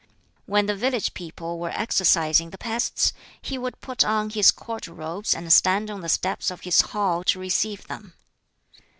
When the village people were exorcising the pests, he would put on his Court robes and stand on the steps of his hall to receive them.